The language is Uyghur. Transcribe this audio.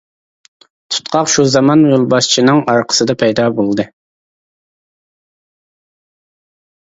تۇتقاق شۇ زامان يولباشچىنىڭ ئارقىسىدا پەيدا بولدى.